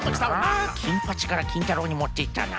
あ「金八」から「金太郎」にもっていったな。